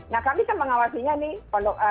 nah kami kan mengawasinya nih